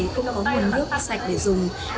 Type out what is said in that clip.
không có nguồn nước sạch để dùng